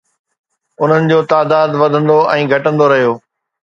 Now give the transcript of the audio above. انهن جو تعداد وڌندو ۽ گهٽندو رهيو